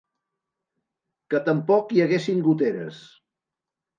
Que tampoc hi haguessin goteres;